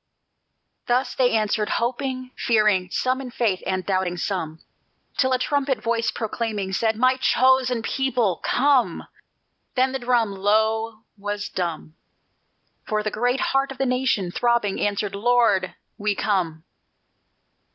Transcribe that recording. Thus they answered hoping, fearing, Some in faith and doubting some, Till a trumpet voice proclaiming, Said: "My chosen people, come!" Then the drum, Lo! was dumb; For the great heart of the nation, throbbing, answered: "Lord, we come!"